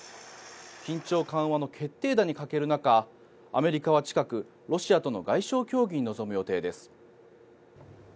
緊張緩和の決定打に欠ける中アメリカは近くロシアとの外相協議に臨む予定です。